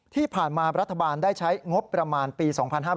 ที่ผ่านมารัฐบาลได้ใช้งบประมาณปี๒๕๕๙